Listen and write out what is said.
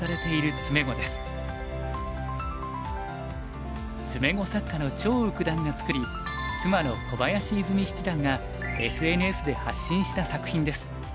詰碁作家の張栩九段がつくり妻の小林泉美七段がＳＮＳで発信した作品です。